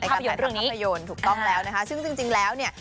ภาพยนตร์เรื่องนี้ใช่ถูกต้องแล้วนะคะซึ่งจริงแล้วนี่